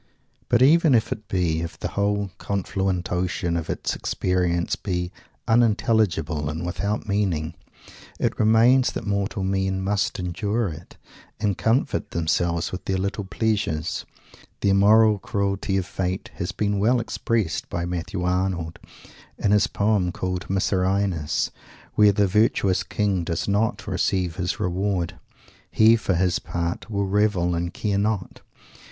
But even if it be if the whole confluent ocean of its experiences be unintelligible and without meaning; it remains that mortal men must endure it, and comfort themselves with their "little pleasures." The immoral cruelty of Fate has been well expressed by Matthew Arnold in that poem called "Mycerinus," where the virtuous king does not receive his reward. He, for his part will revel and care not.